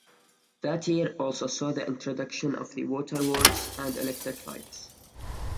That year also saw the introduction of the "Water Works" and electric lights.